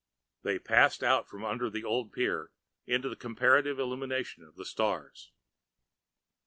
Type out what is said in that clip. They passed out from under the old pier into the comparative illumination of the stars.